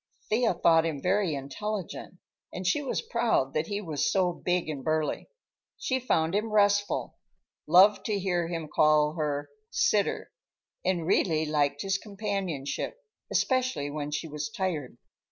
Thea thought him very intelligent, and she was proud that he was so big and burly. She found him restful, loved to hear him call her "sitter," and really liked his companionship, especially when she was tired.